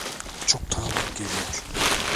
Çok tanıdık geliyor.